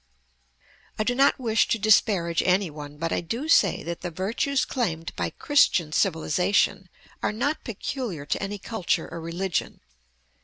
I do not wish to disparage any one, but I do say that the virtues claimed by "Christian civilization" are not peculiar to any culture or religion.